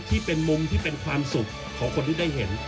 ที่เป็นมุมที่เป็นความสุขของคนที่ได้เห็น